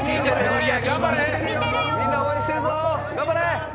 みんな応援してるぞ頑張れ。